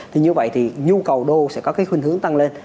thì như vậy thì nhu cầu đô sẽ có cái khuyên hướng tăng lên